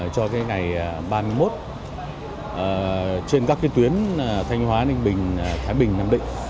cho ngày ba mươi một trên các tuyến thanh hóa ninh bình thái bình nam định